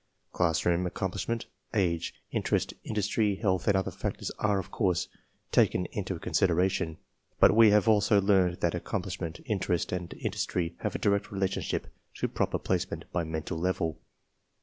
Classroom accomplishment , age, interest, industry, health, and otfier factors are* oi ^course, taken into consideration; but we have also learned that accomplishment, interest, and industry have a direct relationship to proper placement by mental level.